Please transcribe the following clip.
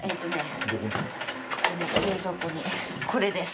冷蔵庫にこれです。